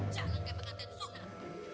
jalan kayak pengantin suna